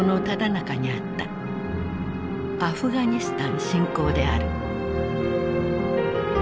アフガニスタン侵攻である。